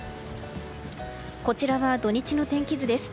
こちらは土日の天気図です。